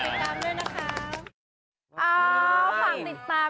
โอ้ยฝากกดติดตามด้วยนะครับ